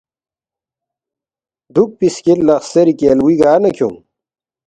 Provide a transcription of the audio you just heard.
دُوکپی سکِل لہ خسیری کیالبُوی گار نہ کھیونگ؟“